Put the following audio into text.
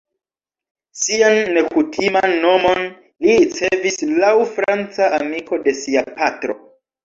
Sian nekutiman nomon li ricevis laŭ franca amiko de sia patro.